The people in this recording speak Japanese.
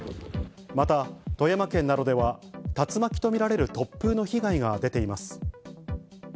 また富山県などでは、竜巻と見られる突風の被害が出ています。